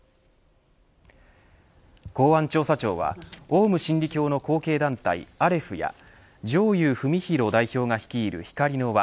公安調査庁はオウム真理教の後継団体アレフや上祐史浩代表が率いるひかりの輪